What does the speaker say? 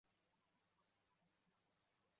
臧明华。